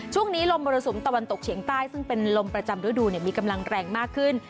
ช่วงนี้ลมมรสุมตะวันตกเฉียงใต้ซึ่งเป็นลมประจำฤดูมีกำลังแรงมากขึ้น